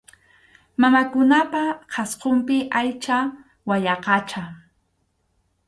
Mamakunapa qhasqunpi aycha wayaqacha.